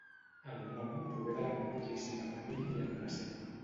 El nom prové de la composició de fenil i antracè.